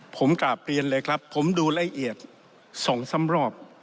ผมกลับเรียนเลยครับผมดูละเอียดสองสำรอบ